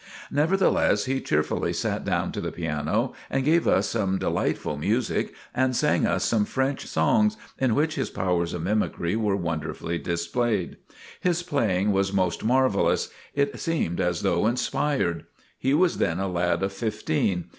Nevertheless he cheerfully sat down to the piano and gave us some delightful music, and sang us some French songs, in which his powers of mimicry were wonderfully displayed. His playing was most marvellous. It seemed as though inspired. He was then a lad of fifteen.